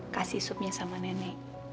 kasih supnya sama nenek